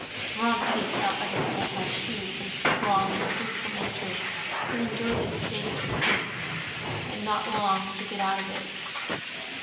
Vronsky could not understand how she, with her strong and truthful nature, could endure this state of deceit, and not long to get out of it.